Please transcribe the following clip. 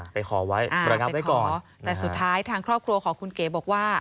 ไปขอไว้ไปขอแต่สุดท้ายทางครอบครัวของคุณเก๋บอกว่า